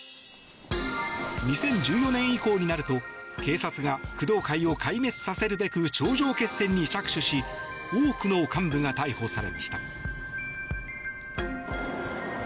２０１４年以降になると警察が、工藤会を壊滅させるべく頂上決戦に着手し多くの幹部が逮捕されました。